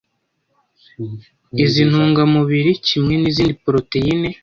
Izi ntungamubiri kimwe n’izindi poroteyine